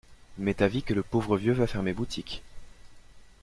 M'est avis que le pauvre vieux va fermer boutique.